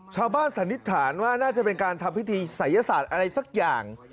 สันนิษฐานว่าน่าจะเป็นการทำพิธีศัยศาสตร์อะไรสักอย่าง